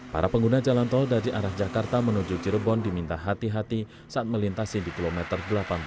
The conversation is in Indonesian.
para pengguna jalan tol dari arah jakarta menuju cirebon diminta hati hati saat melintasi di kilometer delapan belas